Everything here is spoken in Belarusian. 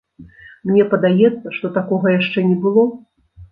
Мне падаецца, што такога яшчэ не было!